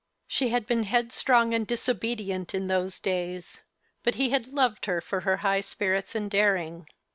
She had been headstrong and disobedient in those days ; but he had loved her for her high spirits and daring.